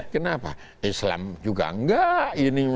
kenapa islam juga enggak